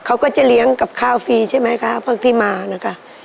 เขาก็จะเลี้ยงกับข้าวฟรีใช่ไหมคะพวกที่มานะคะ